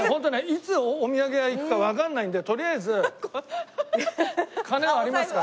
いつお土産屋行くかわからないんでとりあえず金はありますから。